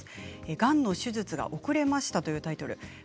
がんの手術が遅れましたというタイトルです。